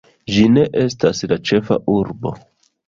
Ĝi ne estas la ĉefa urbo!